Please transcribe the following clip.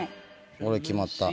俺決まった。